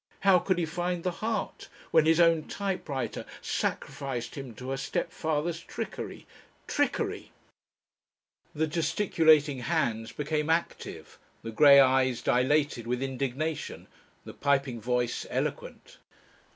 How could he find the heart? When his own typewriter sacrificed him to her stepfather's trickery? "Trickery!" The gesticulating hands became active, the grey eyes dilated with indignation, the piping voice eloquent.